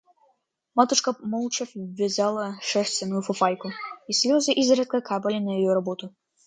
Матушка молча вязала шерстяную фуфайку, и слезы изредка капали на ее работу.